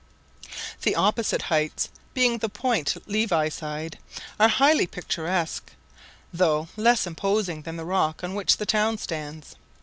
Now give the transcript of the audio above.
The opposite heights, being the Point Levi side, are highly picturesque, though less imposing than the rock on which the town stands.